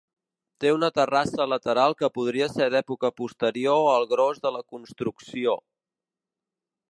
Té una terrassa lateral que podria ser d'època posterior al gros de la construcció.